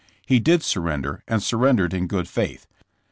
He did surrender, and surren dered in good faith.